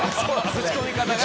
ぶち込み方が。